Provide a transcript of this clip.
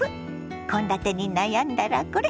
献立に悩んだらこれ！